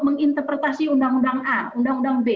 menginterpretasi undang undang a undang undang b